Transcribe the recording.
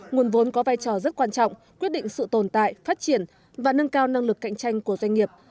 nguồn vốn có vai trò rất quan trọng quyết định sự tồn tại phát triển và nâng cao năng lực cạnh tranh của doanh nghiệp